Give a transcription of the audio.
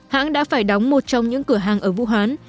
hãng đã phải đóng một trong những cửa hàng ở vũ hán